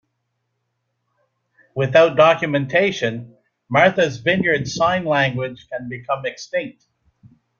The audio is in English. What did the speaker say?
Without documentation, Martha's Vineyard Sign Language can become extinct.